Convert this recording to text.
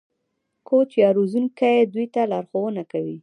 کوچ یا روزونکی دوی ته لارښوونه کوي.